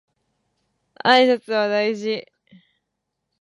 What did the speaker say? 挨拶は大事